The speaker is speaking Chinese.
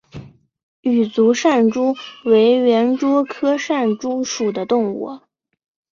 羽足扇蛛为园蛛科扇蛛属的动物。